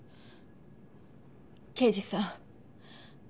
刑事さん